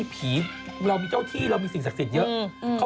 ไปเร็วบูส์ไหนค่ะ